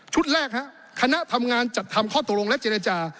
แรกฮะคณะทำงานจัดทำข้อตกลงและเจรจา